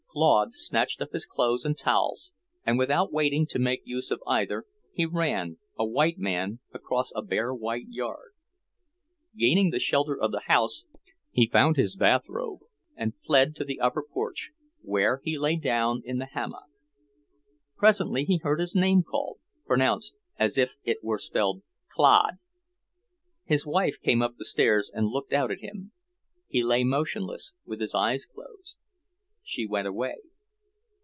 Claude snatched up his clothes and towels, and without waiting to make use of either, he ran, a white man across a bare white yard. Gaining the shelter of the house, he found his bathrobe, and fled to the upper porch, where he lay down in the hammock. Presently he heard his name called, pronounced as if it were spelled "Clod." His wife came up the stairs and looked out at him. He lay motionless, with his eyes closed. She went away.